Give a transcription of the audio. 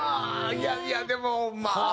いやいやでもまあ。